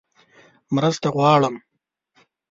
_مرسته غواړم!